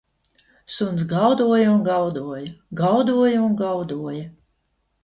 Suns gaudoja un gaudoja, gaudoja un gaudoja